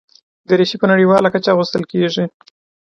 دریشي په نړیواله کچه اغوستل کېږي.